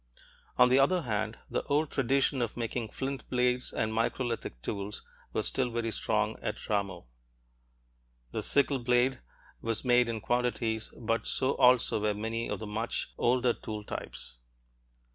On the other hand, the old tradition of making flint blades and microlithic tools was still very strong at Jarmo. The sickle blade was made in quantities, but so also were many of the much older tool types.